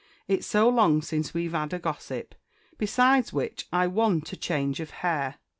It's so long since we've 'ad a gossip. Besides which, I want a change of _h_air."